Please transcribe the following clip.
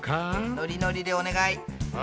ノリノリでお願い。